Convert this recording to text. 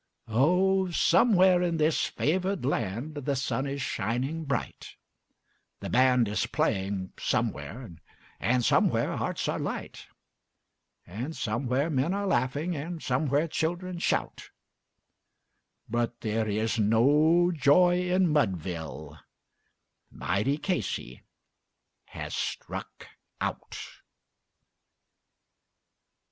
Oh! somewhere in this favored land the sun is shining bright, The band is playing somewhere, and somewhere hearts are light, And somewhere men are laughing, and somewhere children shout; But there is no joy in Mudville mighty Casey has "Struck Out."